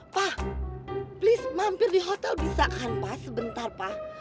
pak please mampir di hotel bisa hampa sebentar pak